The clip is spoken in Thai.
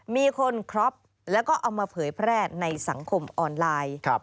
มีคนครอบแล้วก็เอามาเผยแพร่ในสังคมออนไลน์